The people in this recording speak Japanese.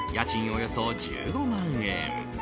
およそ１５万円。